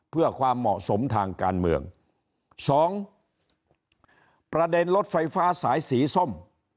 เพื่อความเหมาะสมทางการเมืองสองประเด็นรถไฟฟ้าสายสีส้ม